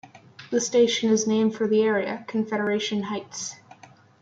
The station is named for the area, Confederation Heights.